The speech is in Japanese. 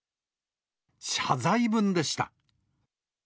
謝罪文でした。